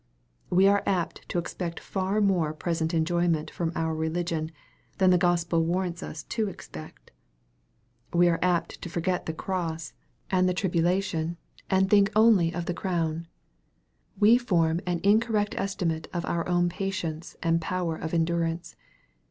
We are apt to expect far more present enjoy ment from our religion, than the Gospel warrants us to expect. We are apt to forget the cross, and the tribula MARK, CHAP. X, 217 tion, and to think only of the crown. We form an incorrect estimate of our own patience and power of endurance.